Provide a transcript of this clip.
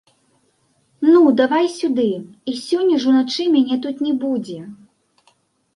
Ну, давай сюды, і сёння ж уначы мяне тут не будзе.